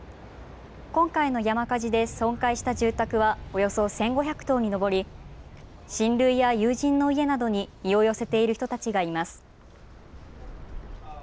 今回の山火事で損壊した住宅はおよそ１５００棟に上り、親類や友人の家などに身を寄せている人たちがいます。